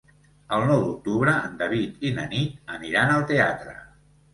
El nou d'octubre en David i na Nit aniran al teatre.